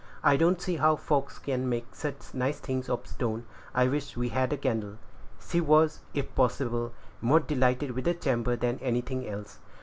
"I don't see how folks can make such nice things of stone. I wish we had a candle." She was, if possible, more delighted with the chamber than anything else.